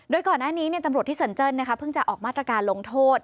โดยก่อนหน้านี้ตำรวจที่สันเจิ้นเพิ่งจะออกมาตรการลงโทษ